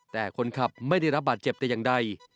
แต่คนขับไม่ได้รับบาดเจ็บแต่อย่างใด